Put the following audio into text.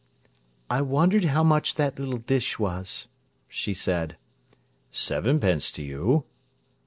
"I wondered how much that little dish was," she said. "Sevenpence to you."